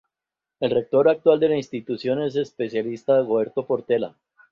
El rector actual de la Institución es el Especialista Dagoberto Portela.